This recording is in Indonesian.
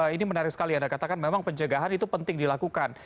ini menarik sekali anda katakan memang pencegahan itu penting dilakukan